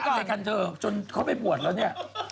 เขาเสี้ยอะไรกันเถอะจนเขาไม่ปวดแล้วเนี่ย